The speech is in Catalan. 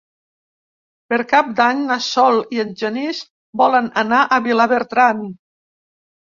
Per Cap d'Any na Sol i en Genís volen anar a Vilabertran.